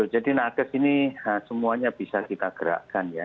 jadi nakes ini semuanya bisa kita gerakkan ya